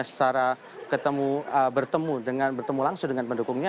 secara bertemu langsung dengan pendukungnya